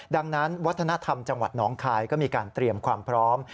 ดังนั้นวัฒนธรรมจังหวัดน้องคายก็มีการเตรียมความพร้อม